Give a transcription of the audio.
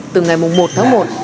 từ ngày một tháng một